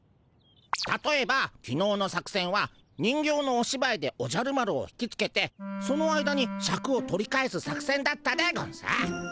たとえばきのうの作せんは人形のおしばいでおじゃる丸を引きつけてその間にシャクを取り返す作せんだったでゴンス。